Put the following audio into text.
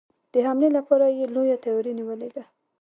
د حملې لپاره یې لويه تیاري نیولې ده.